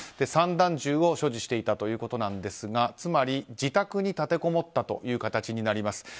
散弾銃を所持していたということですがつまり自宅に立てこもったということになります。